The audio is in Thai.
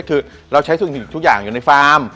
คือเราใช้สิ่งทุกอย่างอยู่ในฟาร์ม